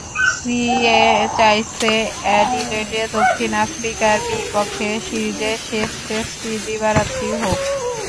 CA চাইছে, অ্যাডিলেডে দক্ষিণ আফ্রিকার বিপক্ষে সিরিজের শেষ টেস্টটি দিবারাত্রি হোক।